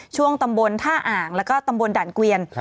ช่วงตำบลท่าอ่างแล้วก็ตำบลด่านเกวียน